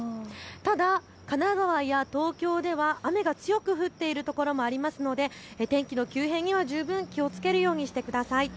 ただ神奈川や東京では雨が強く降っているところもありますので天気の急変には十分気をつけるようにしてください。